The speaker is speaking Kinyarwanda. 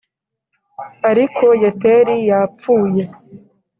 Ariko Yeteri yapfuye